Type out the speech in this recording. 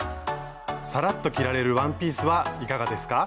さらっと着られるワンピースはいかがですか？